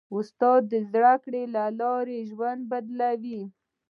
استاد د زدهکړې له لارې ژوند بدلوي.